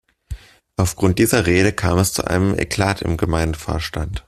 Aufgrund dieser Rede kam es zu einem Eklat im Gemeindevorstand.